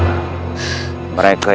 mereka yang menentukanmu